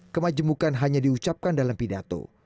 kemajemukan hanya diucapkan dalam pidato